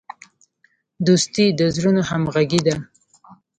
دوستي د زړونو همغږي ده.